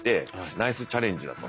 ナイスチャレンジだと。